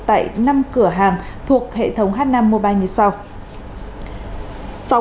tại năm cửa hàng thuộc hệ thống h năm mobile như sau